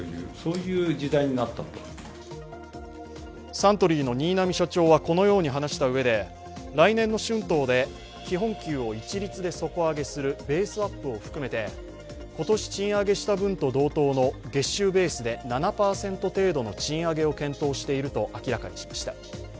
サントリーの新浪社長はこのように話したうえで来年の春闘で基本給を一律で底上げするベースアップを含めて今年賃上げした分と同等の月収ベースで７％程度の賃上げを健闘していると明らかにしました。